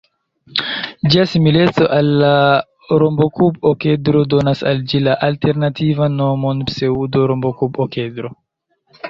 Ĝia simileco al la rombokub-okedro donas al ĝi la alternativan nomon pseŭdo-rombokub-okedro.